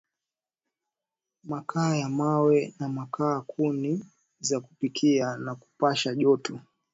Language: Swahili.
makaa ya mawe na makaa kuni za kupikia na kupasha joto